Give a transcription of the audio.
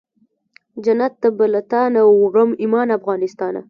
جنت ته به له تانه وړم ایمان افغانستانه